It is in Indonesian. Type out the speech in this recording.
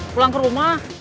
pulang ke rumah